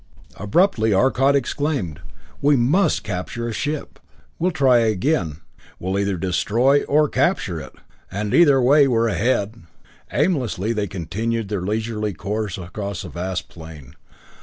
Abruptly Arcot exclaimed, "We must capture a ship. We'll try again we'll either destroy or capture it and either way we're ahead!" Aimlessly they continued their leisurely course across a vast plain.